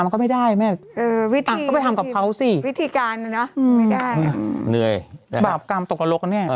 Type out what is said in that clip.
คือคือคือคือคือ